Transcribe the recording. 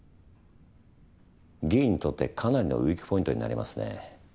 議員にとってかなりのウイークポイントになりますね。